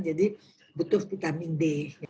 jadi butuh vitamin d